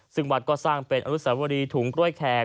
ซึ่งวัดก็สร้างเป็นอนุสาวรีถุงกล้วยแขก